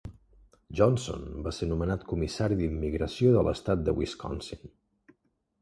Johnson va ser nomenat Comissari d'Immigració de l'estat de Wisconsin.